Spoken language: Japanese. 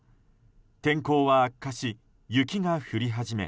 天候は悪化し雪が降り始め